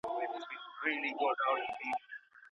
که په ودانیو کي د اور وژني وسایل وي، نو اور نه خپریږي.